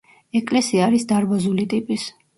ეკლესია არის დარბაზული ტიპის.